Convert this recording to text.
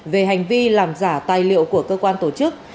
về hành vi làm giả tài liệu của cơ quan tổ chức